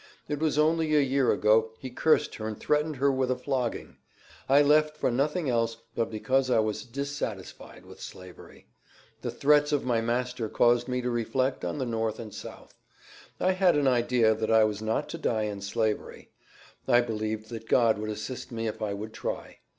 It was only a year ago he cursed her and threatened her with a flogging. I left for nothing else but because I was dissatisfied with Slavery. The threats of my master caused me to reflect on the North and South. I had an idea that I was not to die in Slavery. I believed that God would assist me if I would try.